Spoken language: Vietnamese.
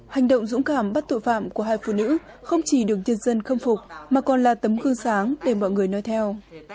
hành động dũng cảm bắt tội phạm của hai phụ nữ không chỉ đường nhân dân khâm phục mà còn là tấm gương sáng để mọi người nói theo